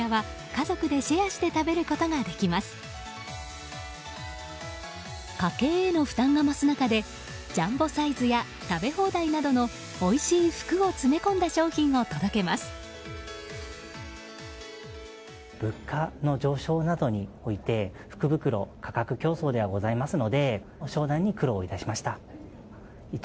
家計への負担が増す中でジャンボサイズや食べ放題などのおいしい福を詰め込んだ商品を届けます。